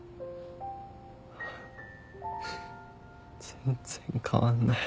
全然変わんない。